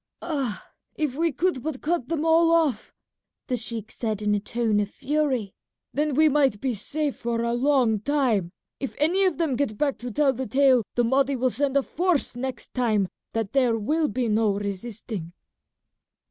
"Ah! if we could but cut them all off," the sheik said in a tone of fury, "then we might be safe for a long time. If any of them get back to tell the tale the Mahdi will send a force next time that there will be no resisting."